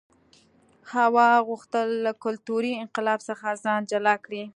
هوا غوښتل له کلتوري انقلاب څخه ځان جلا کړي.